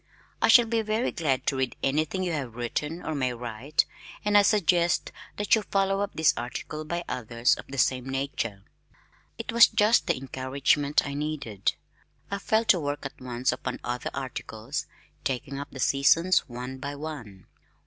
"I shall be very glad to read anything you have written or may write, and I suggest that you follow up this article by others of the same nature." It was just the encouragement I needed. I fell to work at once upon other articles, taking up the seasons one by one.